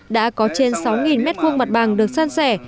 đã có trên sáu m hai mặt bằng được săn sẻ